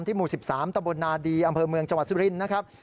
หมู่๑๓ตะบลนาดีอำเภอเมืองจังหวัดสุรินทร์นะครับ